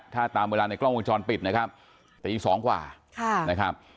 ถ้าตามเวลาในกล้องวงจรปิดนะครับตี๒กว่านะครับ